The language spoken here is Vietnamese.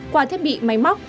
qua thiết bị máy móc